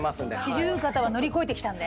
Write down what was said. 四十肩は乗り越えてきたんで。